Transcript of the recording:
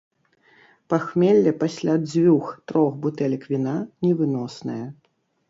Пахмелле пасля дзвюх-трох бутэлек віна невыноснае.